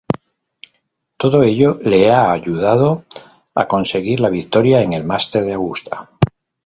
Todo ello le ha ayudado a conseguir la victoria en el Masters de Augusta.